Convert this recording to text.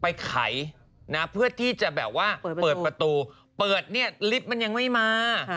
ไขนะเพื่อที่จะแบบว่าเปิดประตูเปิดเนี่ยลิฟต์มันยังไม่มา